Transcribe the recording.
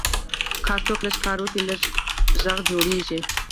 که هر څوک لږ کار وکړي، لوی غږ جوړېږي.